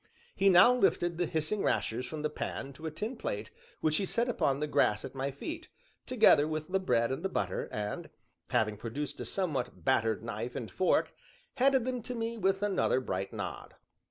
He now lifted the hissing rashers from the pan to a tin plate, which he set upon the grass at my feet, together with the bread and the butter; and, having produced a somewhat battered knife and fork, handed them to me with another bright nod.